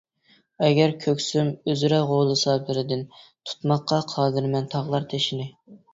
ئەگەر كۆكسۈم ئۆزرە غۇلىسا بىردىن، تۇتماققا قادىرمەن تاغلار تېشىنى.